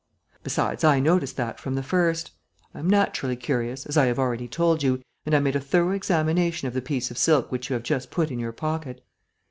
Besides, I noticed that from the first. I am naturally curious, as I have already told you, and I made a thorough examination of the piece of silk which you have just put in your pocket.